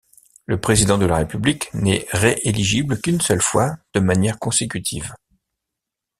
Le président de la république n'est rééligible qu'une seule fois de manière consécutive.